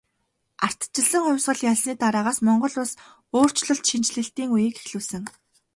Ардчилсан хувьсгал ялсны дараагаас Монгол улс өөрчлөлт шинэчлэлтийн үеийг эхлүүлсэн.